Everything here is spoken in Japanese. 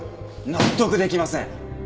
納得できません。